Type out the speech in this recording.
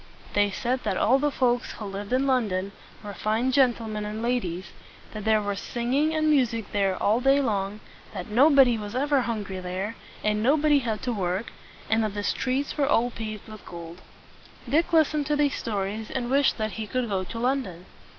They said that all the folks who lived in London were fine gen tle men and ladies; that there was singing and music there all day long; that nobody was ever hungry there, and nobody had to work; and that the streets were all paved with gold. Dick listened to these stories, and wished that he could go to London.